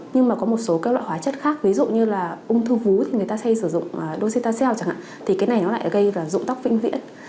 nhưng mà có một số loại hóa chất khác ví dụ như là ung thư vú thì người ta hay sử dụng docetaxel chẳng hạn thì cái này lại gây dụng tóc vĩnh viễn